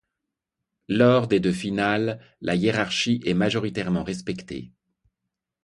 Lors des de finale, la hiérarchie est majoritairement respectée.